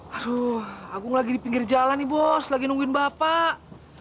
aduh aku lagi di pinggir jalan nih bos lagi nungguin bapak